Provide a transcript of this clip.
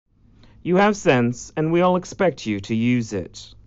You have sense, and we all expect you to use it.